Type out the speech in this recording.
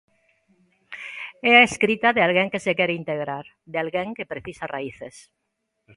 É a escrita de alguén que se quere integrar, de alguén que precisa raíces.